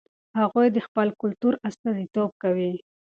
هغوی د خپل کلتور استازیتوب کوي.